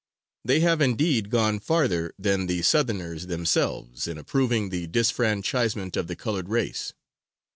They have, indeed, gone farther than the Southerners themselves in approving the disfranchisement of the colored race.